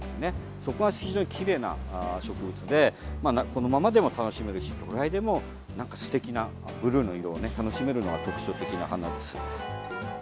そこが非常にきれいな植物でこのままでも楽しめるしドライでもすてきなブルーの色を楽しめるのが特徴的な花です。